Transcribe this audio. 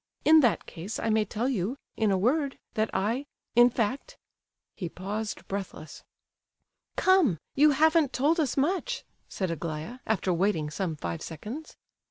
In that case, I may tell you—in a word—that I—in fact—" He paused, breathless. "Come—you haven't told us much!" said Aglaya, after waiting some five seconds.